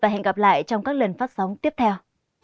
hẹn gặp lại trong các lần phát sóng tiếp theo